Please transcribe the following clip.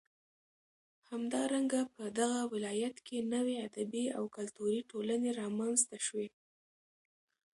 همدارنگه په دغه ولايت كې نوې ادبي او كلتوري ټولنې رامنځ ته شوې.